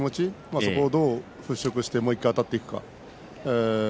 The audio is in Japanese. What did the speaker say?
そこをどう払拭してもう１回あたっていくか。